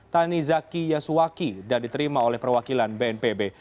tanizaki yasuwaki dan diterima oleh perwakilan bnpb